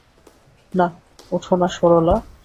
না, উঠো না সরলা।